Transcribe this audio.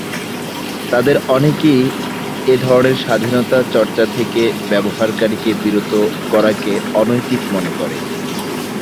তাদের অনেকেই এধরনের স্বাধীনতা চর্চা থেকে ব্যবহারকারীকে বিরত করাকে অনৈতিক মনে করে।